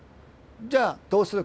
じゃあどうするか。